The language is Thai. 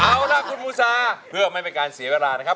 เอาล่ะคุณบูซาเพื่อไม่เป็นการเสียเวลานะครับ